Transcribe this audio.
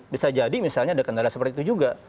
bisa jadi misalnya ada kendala seperti itu juga